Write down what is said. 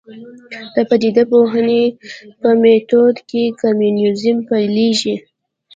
د پدیده پوهنې په میتود کې کمونیزم پیلېږي.